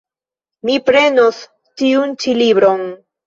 Mi prenos tiun ĉi libron.